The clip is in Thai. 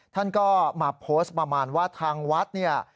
ท่านก็มาโพสต์ประมาณว่าทางวัดเนี่ย